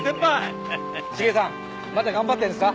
茂さんまだ頑張ってるんですか？